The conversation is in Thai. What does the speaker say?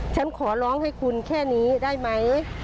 ฉันขอร้องให้คุณแค่นี้ได้ไหม